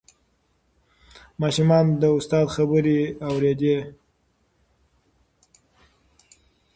ماشومان د استاد خبرې اورېدې.